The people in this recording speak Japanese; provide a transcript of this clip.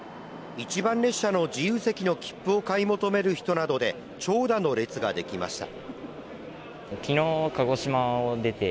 １番列車の自由席の切符を買い求める人などで長蛇の列ができました。